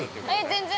◆全然。